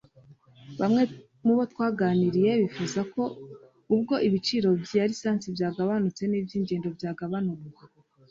Bamwe mu bo twaganiriye bifuza ko ubwo ibiciro bya lisansi byagabanutse n’iby’ingendo byagabanurwa